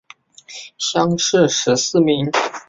乡试十四名。